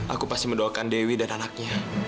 aku pasti mendoakan dewi dan anaknya